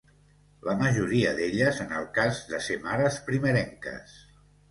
La majoria d'elles en el cas de ser mares primerenques.